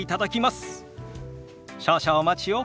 少々お待ちを。